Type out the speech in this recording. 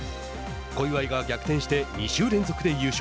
小祝が逆転して２週連続で優勝。